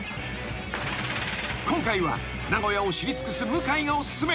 ［今回は名古屋を知り尽くす向井がお薦め］